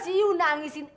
sebelah sini sini